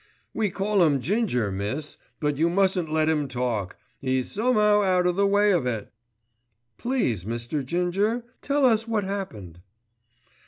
"We call 'im Ginger, miss; but you mustn't let 'im talk. 'E's some'ow out of the way of it." "Please Mr. Ginger, tell us what happened?"